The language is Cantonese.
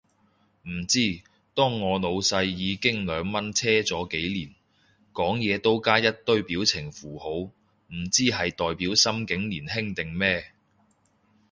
唔知，當我老細已經兩蚊車咗幾年，講嘢都加一堆表情符號，唔知係代表心境年輕定咩